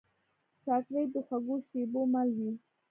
چاکلېټ د خوږو شېبو مل وي.